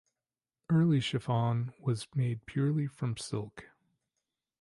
Early chiffon was made purely from silk.